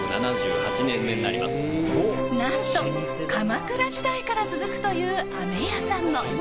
何と、鎌倉時代から続くというあめ屋さんも。